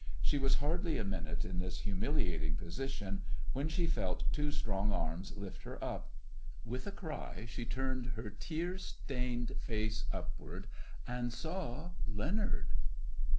She was hardly a minute in this humiliating position when she felt two strong arms lift her up. With a cry she turned her tear stained face upward, and saw — Leonard.